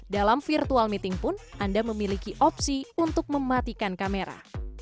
dalam virtual meeting pun anda memiliki opsi untuk mematikan kamera